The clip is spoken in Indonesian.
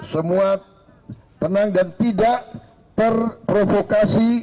semua tenang dan tidak terprovokasi